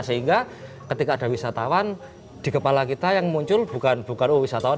sehingga ketika ada wisatawan di kepala kita yang muncul bukan wisatawan